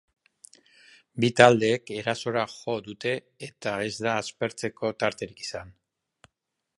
Bi taldeek erasora jo dute eta ez da aspertzeko tarterik izan.